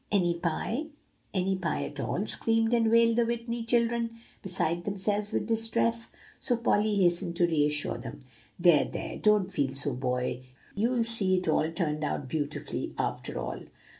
"Any pie any pie at all," screamed and wailed the Whitney children, beside themselves with distress. So Polly hastened to reassure them. "There, there, don't feel so, boys; you'll see it all turned out beautifully, after all."